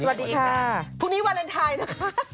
สวัสดีค่ะพรุ่งนี้วาเลนไทยนะคะ